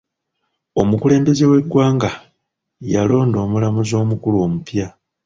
Omukulembeze w'eggwanga yalonda omulamuzi omukulu omupya.